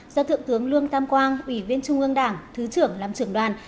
do thượng tướng lương tam quang ủy viên trung ương đảng thứ trưởng làm trưởng đoàn